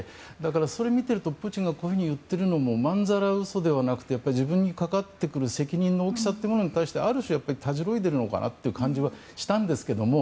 それを見ているとプーチンがこういうふうに言っているのもまんざら嘘ではなくて自分にかかってくる責任の大きさというものに対してある種、たじろいでいるのかなという感じはしたんですけども。